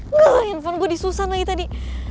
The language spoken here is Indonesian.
gah handphone gue disusan lagi tadi